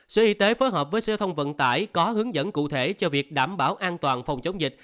sở y tế phối hợp với sở thông vận tải có hướng dẫn cụ thể cho việc đảm bảo an toàn phòng chống dịch